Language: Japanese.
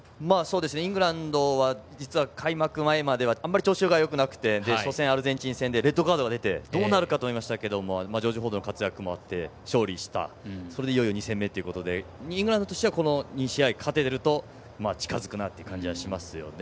イングランドは実は開幕前までは調子があまりよくなくて初戦、アルゼンチン戦でレッドカードがでてどうなるかと思いましたがジョージ・フォードの力もあって勝利した、２戦目ということでイングランドとしてはこの試合、勝てると近づくなという感じはします。